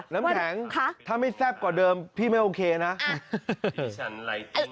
น้ำแข็งถ้าไม่แซ่บกว่าเดิมพี่ไม่โอเคนะ